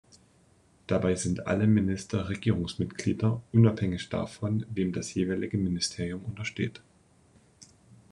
Dabei sind alle Minister Regierungsmitglieder, unabhängig davon, wem das jeweilige Ministerium untersteht.